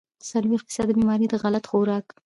څلوېښت فيصده بيمارۍ د غلط خوراک